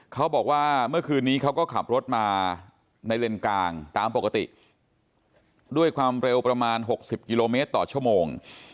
เขาบอกว่าเมื่อคืนนี้เขาก็ขับรถมาในเลนส์กลางตามปกติด้วยความเร็วประมาณ๖๐กิโลเมตรต่อชั่วโมง